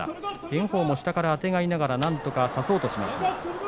炎鵬も下からあてがいながらなんとか差そうとしました。